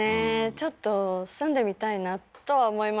ちょっと住んでみたいなとは思います